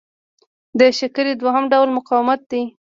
د شکرې دوهم ډول مقاومت دی.